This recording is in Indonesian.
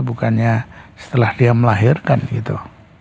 bukannya setelah dia melahirkan gitu